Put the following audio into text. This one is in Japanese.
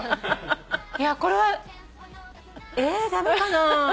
いやこれはえ駄目かな。